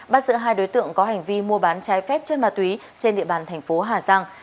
bắt giữ hai đối tượng có hành vi mua bán trái phép chân ma túy trên địa bàn thành phố hà giang